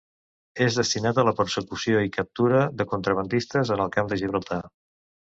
És destinat a la persecució i captura de contrabandistes en el camp de Gibraltar.